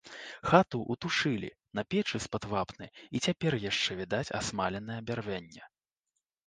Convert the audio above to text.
Хату ўтушылі, на печы з-пад вапны і цяпер яшчэ відаць асмаленае бярвенне.